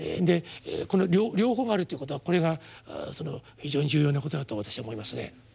でこの両方があるということはこれが非常に重要なことだと私は思いますね。